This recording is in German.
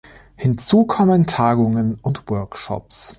Hinzu kommen Tagungen und Workshops.